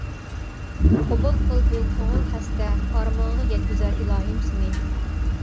قوبۇل قىل بۇ كۆڭۈل خەستە. ئارمانغا يەتكۈزەر ئىلاھىم سېنى!